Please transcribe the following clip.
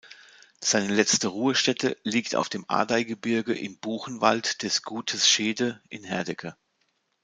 Seine letzte Ruhestätte liegt auf dem Ardeygebirge im Buchenwald des "Gutes Schede" in Herdecke.